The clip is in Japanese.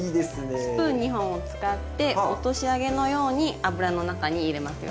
スプーン２本を使って落とし揚げのように油の中に入れますよ。